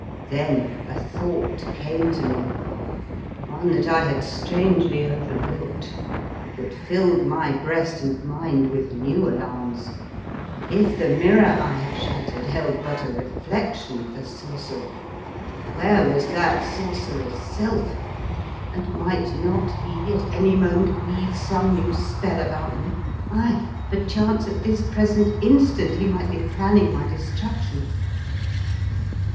Then a thought came to me — one that I had strangely overlooked — that filled my breast and mind with new alarms: " If the mirror I had shattered held but a reflection of a Sorcerer, where was that Sorcerer's self, and might not he at any moment weave some new spell about me — aye, perchance at this pres ent instant he might be planning my destruction?"